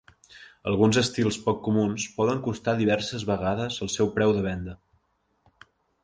Alguns estils poc comuns poden costar diverses vegades el seu preu de venda.